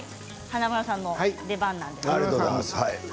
華丸さんの出番です。